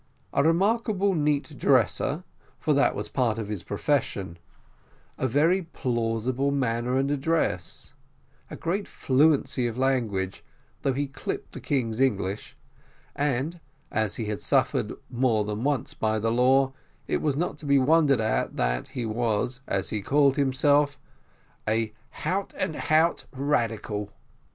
A remarkable neat dresser, for that was part of his profession; a very plausible manner and address; a great fluency of language, although he clipped the king's English; and, as he had suffered more than once by the law, it is not to be wondered at that he was, as he called himself, a hout and hout radical.